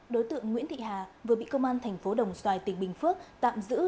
đối tượng nguyễn thị hà vừa bị công an tp đồng xoài tỉnh bình phước tạm giữ